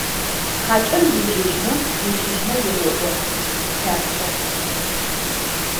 ХьакӀэр ежьэжьмэ, екӀыжьымэ еоӀо: «ХъяркӀэ!».